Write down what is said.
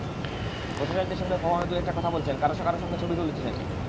পথচারীদের সঙ্গে কখনো দু-একটা কথা বলছেন, কারও কারও সঙ্গে ছবিও তুলেছেন।